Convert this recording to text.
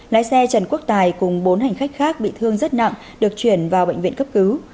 lái xe trần quốc tài cùng bốn hành khách khác bị thương rất nặng được chuyển vào bệnh viện cấp cứu